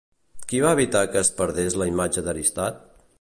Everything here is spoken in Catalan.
Qui va evitar que es perdés la imatge d'Aristrat?